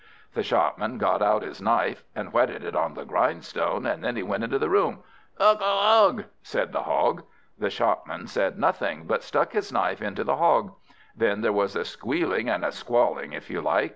The Shopman got out his knife, and whetted it on the grindstone, and then he went into the room. "Ugh! ugh! ugh!" said the Hog. The Shopman said nothing, but stuck his knife into the Hog. Then there was a squealing and squalling, if you like!